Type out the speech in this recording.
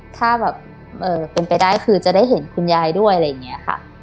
ถ้าแบบเป็นไปได้คือจะได้เห็นคุณยายด้วยอะไรอย่างนี้ค่ะ